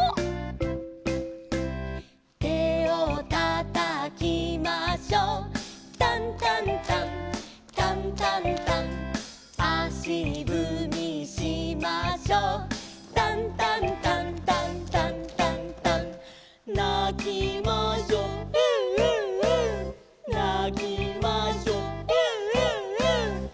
「手を叩きましょう」「タンタンタンタンタンタン」「足ぶみしましょう」「タンタンタンタンタンタンタン」「なきましょうエンエンエン」「なきましょうエンエンエン」